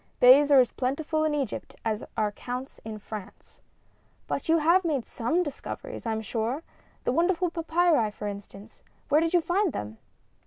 "Beys are as plentiful in Egypt as are counts in France." "But you have made some discoveries, I am sure. The wonderful papyri, for instance where did you find them?"